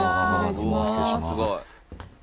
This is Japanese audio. どうも失礼します。